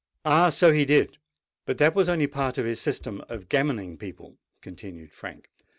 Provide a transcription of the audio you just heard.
"Ah! so he did. But that was only a part of his system of gammoning people," continued Frank.